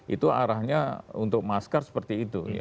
itu arahnya untuk masker seperti itu